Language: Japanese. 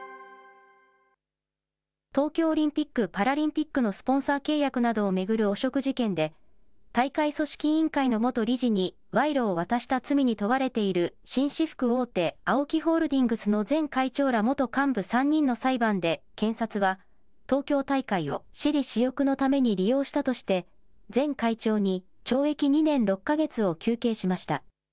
東京オリンピック・パラリンピックのスポンサー契約などを巡る汚職事件で、大会組織委員会の元理事に賄賂を渡した罪に問われている紳士服大手、ＡＯＫＩホールディングスの前会長ら元幹部３人の裁判で、検察は東京大会を私利私欲のために利用したとして、前会長に懲役２年６か月を求刑しました。